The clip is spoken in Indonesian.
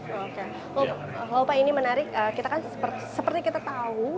kalau pak ini menarik kita kan seperti kita tahu